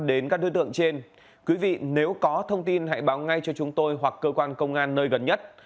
đến các đối tượng trên quý vị nếu có thông tin hãy báo ngay cho chúng tôi hoặc cơ quan công an nơi gần nhất